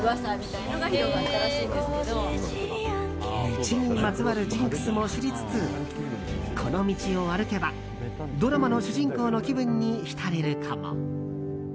道にまつわるジンクスも知りつつこの道を歩けばドラマの主人公の気分に浸れるかも。